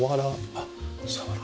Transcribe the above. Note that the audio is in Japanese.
あっサワラ。